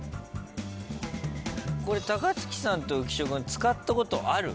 高月さんと浮所君使ったことある？